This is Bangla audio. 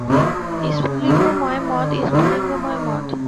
স্ফুলিঙ্গময় মদ, স্ফুলিঙ্গময় মদ।